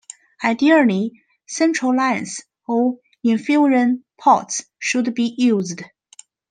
Ideally, central lines or infusion ports should be used.